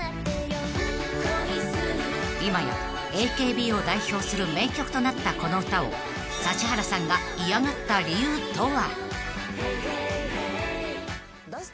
［今やＡＫＢを代表する名曲となったこの歌を指原さんが嫌がった理由とは？］